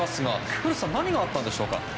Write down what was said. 古田さん何があったんでしょうか？